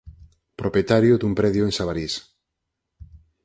Propietario dun predio en Sabarís.